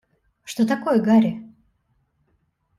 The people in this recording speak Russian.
Что такое, Гарри?